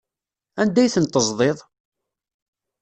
Anda ay ten-teẓḍiḍ?